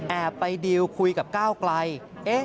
แอบไปดีลคุยกับก้าวกลาย